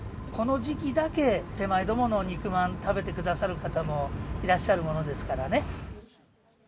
この時期だけ、手前どもの肉まん、食べてくださる方もいらっしゃるものですからね。